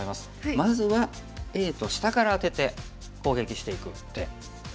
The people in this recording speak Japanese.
まずはＡと下からアテて攻撃していく手。